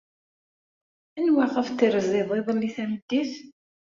Anwa ayɣef terziḍ iḍelli tameddit?